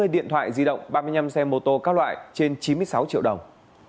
hai mươi điện thoại di động ba mươi năm xe mô tô các loại trên chín mươi sáu triệu đồng